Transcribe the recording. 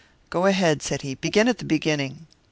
"Go ahead," said he. "Begin at the beginning."